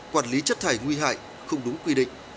quản lý chất thải nguy hại không đúng quy định